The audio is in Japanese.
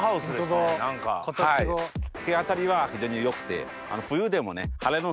日当たりは非常に良くて。